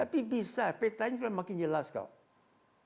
tapi bisa petanya sudah makin jelas kok